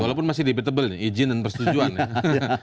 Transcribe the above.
walaupun masih debatable izin dan persetujuan ya